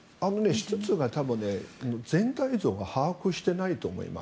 １つ言うと、全体像は把握していないと思います。